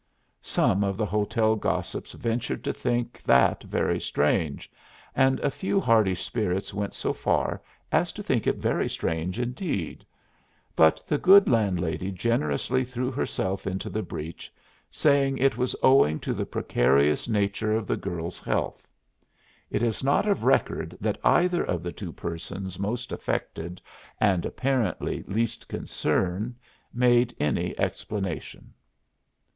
Some of the hotel gossips ventured to think that very strange, and a few hardy spirits went so far as to think it very strange indeed; but the good landlady generously threw herself into the breach, saying it was owing to the precarious nature of the girl's health. It is not of record that either of the two persons most affected and apparently least concerned made any explanation.